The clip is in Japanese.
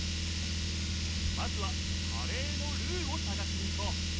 まずはカレーのルーをさがしに行こう。